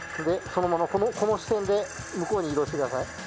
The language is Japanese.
でそのままこの支点で向こうに移動してください。